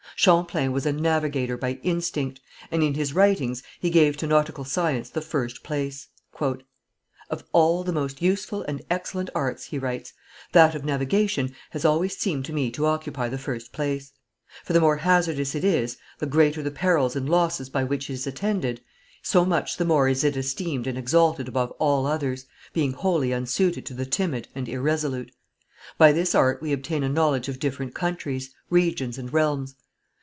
Champlain was a navigator by instinct, and in his writings he gave to nautical science the first place. "Of all the most useful and excellent arts," he writes, "that of navigation has always seemed to me to occupy the first place. For the more hazardous it is, the greater the perils and losses by which it is attended, so much the more is it esteemed and exalted above all others, being wholly unsuited to the timid and irresolute. By this art we obtain a knowledge of different countries, regions and realms.